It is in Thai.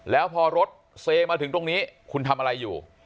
แล้วพอรถเซมาถึงตรงนี้คุณทำอะไรอยู่